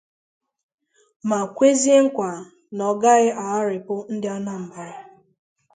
ma kwezie nkwà na ọ gaghị agharịpụ Ndị Anambra.